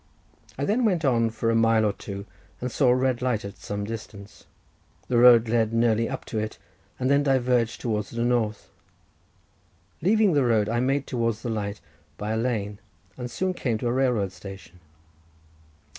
I then went on for a mile or two, and saw a red light at some distance. The road led nearly up to it, and then diverged towards the north. Leaving the road, I made towards the light by a lane, and soon came to a railroad station.